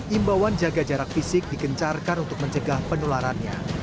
imbauan jaga jarak fisik dikencarkan untuk mencegah penularannya